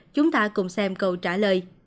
chúng ta cùng xem câu trả lời